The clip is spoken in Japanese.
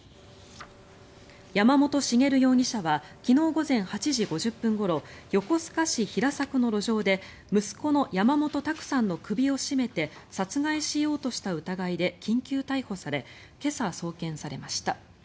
山本茂容疑者は昨日午前８時５０分ごろ横須賀市平作の路上で息子の山本卓さんの首を絞めて殺害しようとした疑いで緊急逮捕され今朝、送検されました。